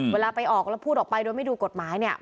เวลาไปออกแล้วพูดออกไปโดยไม่ดูกฎหมายเนี่ย